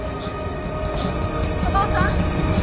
お父さん！